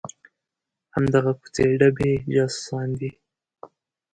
همدغه کوڅې ډبي جاسوسان دي.